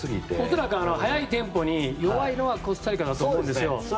恐らく速いテンポに弱いのはコスタリカだと思うんですよ。